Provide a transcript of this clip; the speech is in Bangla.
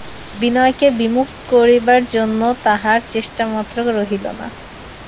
বিনয়কে বিমুখ করিবার জন্য তাহার চেষ্টামাত্র রহিল না।